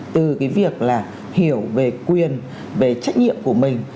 từ cái việc là hiểu về quyền về trách nhiệm của mình